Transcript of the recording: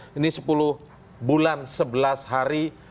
ini sepuluh bulan sebelas hari